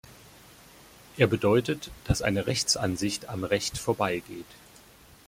Er bedeutet, dass eine Rechtsansicht am Recht vorbeigeht.